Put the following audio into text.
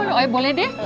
oh boleh deh